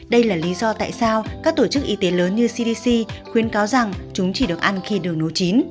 đây là lý do tại sao các tổ chức y tế lớn như cdc khuyến cáo rằng chúng chỉ được ăn khi đường nu chín